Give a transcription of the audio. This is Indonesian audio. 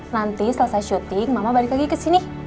nanti selesai syuting mama balik lagi kesini